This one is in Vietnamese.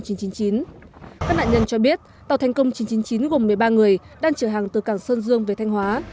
các nạn nhân cho biết tàu thành công chín trăm chín mươi chín gồm một mươi ba người đang chở hàng từ cảng sơn dương về thanh hóa